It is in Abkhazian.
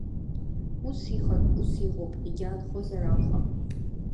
Ус иҟан, ус иҟоуп, иагьаанхозар акәхап.